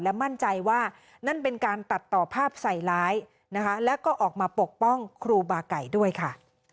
มั่นใจว่านั่นเป็นการตัดต่อภาพใส่ร้ายนะคะแล้วก็ออกมาปกป้องครูบาไก่ด้วยค่ะ